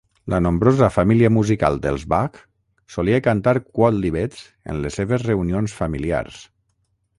La nombrosa família musical dels Bach solia cantar quòdlibets en les seves reunions familiars.